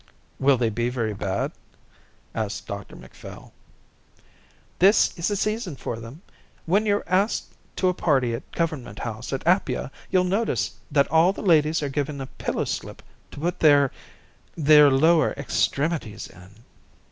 "Will they be very bad?" asked Dr Macphail. "This is the season for them. When you're asked to a party at Government House at Apia you'll notice that all the ladies are given a pillow slip to put their their lower extremities in."